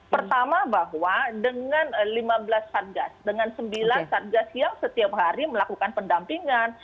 pertama bahwa dengan lima belas satgas dengan sembilan satgas yang setiap hari melakukan pendampingan